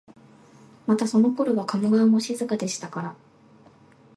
またそのころは加茂川も静かでしたから、